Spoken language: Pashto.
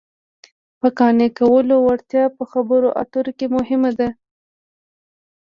د قانع کولو وړتیا په خبرو اترو کې مهمه ده